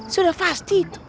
sudah pasti itu